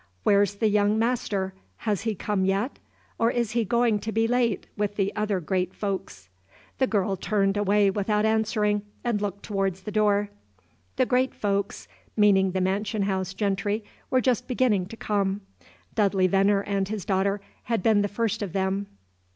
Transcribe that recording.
Where 's the young master? has he come yet? or is he going to be late, with the other great folks?" The girl turned away without answering, and looked toward the door. The "great folks," meaning the mansion house gentry, were just beginning to come; Dudley Venner and his daughter had been the first of them.